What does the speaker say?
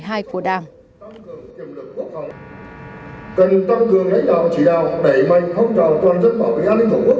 cần tăng cường lãnh đạo chỉ đạo đẩy mạnh phong trào toàn dân bảo vệ an ninh tổ quốc